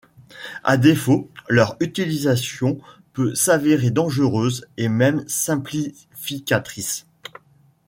À défaut, leur utilisation peut s'avérer dangereuse et même simplificatrice.